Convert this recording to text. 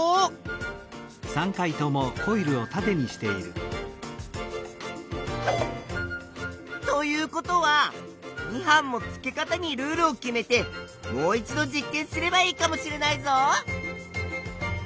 おお！ということは２班も付け方にルールを決めてもう一度実験すればいいかもしれないぞ！